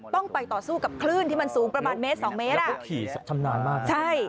ต้องไปต่อสู้กับคลื่นที่มันสูงประมาณเมตรสองเมตรอ่ะคือขี่ชำนาญมากใช่